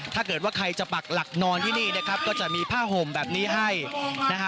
ถ้าเกิดว่าใครจะปักหลักนอนที่นี่นะครับก็จะมีผ้าห่มแบบนี้ให้นะฮะ